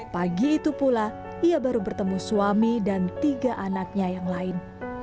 pagi itu pula ia baru bertemu suami dan tiga anaknya yang lain